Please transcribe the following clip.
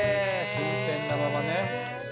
新鮮なままね。